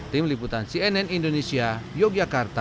tim liputan cnn indonesia yogyakarta